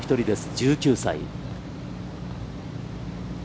１９歳。